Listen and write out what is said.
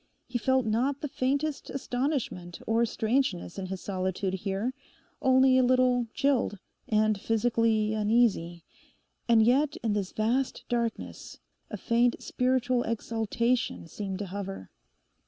He felt not the faintest astonishment or strangeness in his solitude here; only a little chilled, and physically uneasy; and yet in this vast darkness a faint spiritual exaltation seemed to hover.